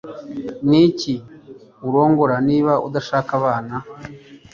Niki urongora niba udashaka abana